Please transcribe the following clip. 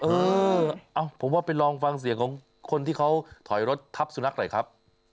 เออเอาผมว่าไปลองฟังเสียงของคนที่เขาถอยรถทับสุนัขหน่อยครับ